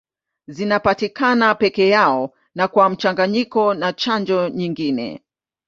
Zinapatikana peke yao na kwa mchanganyiko na chanjo nyingine.